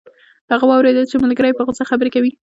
هغه واوریدل چې ملګری یې په غوسه خبرې کوي